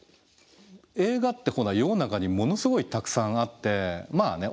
映画ってほら世の中にものすごいたくさんあってまあね